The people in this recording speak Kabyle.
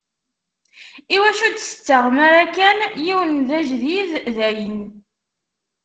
Iwacu ur d-tettaɣem ara kan yiwen d ajdid, dayen?